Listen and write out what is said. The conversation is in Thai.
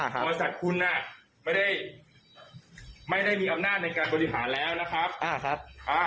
บริษัทคุณไม่ได้มีอำนาจในการบริหารแล้วนะครับ